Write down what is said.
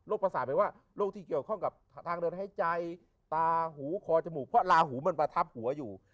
ประสาทแปลว่าโรคที่เกี่ยวข้องกับทางเดินหายใจตาหูคอจมูกเพราะลาหูมันประทับหัวอยู่